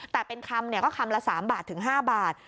แต่เป็นคำก็คำละ๓๕บาท